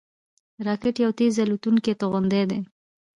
راکټ یو تېز الوتونکی توغندی دی